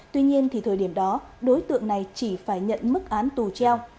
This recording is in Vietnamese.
tuy nhiên thì thời điểm đó đối tượng này chỉ phải nhận mức án tù treo